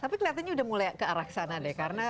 tapi kelihatannya udah mulai ke arah sana deh